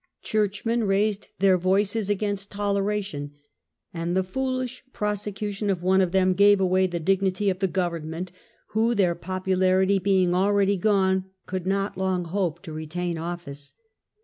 Churchmen raised their voices against toleration, and the foolish pro secution of one of them gave away the dignity of the government, who, their popularity being already gone, could not long hope to retain office.